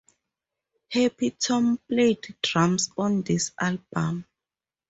Happy-Tom played drums on this album.